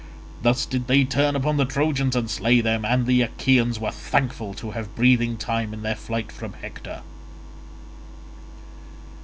Thus did they turn upon the Trojans and slay them, and the Achaeans were thankful to have breathing time in their flight from Hector.